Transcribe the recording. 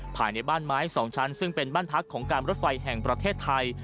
ภายในบ้านไม้๒ชั้นซึ่งเป็นบ้านพักของการรถไฟแห่งประเทศไทย